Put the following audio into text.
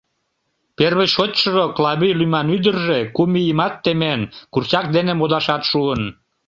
Первый шочшыжо — Клавий лӱман ӱдыржӧ — кум ийымат темен, курчак дене модашат шуын.